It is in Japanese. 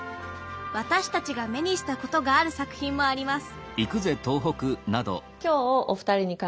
私たちが目にしたことがある作品もあります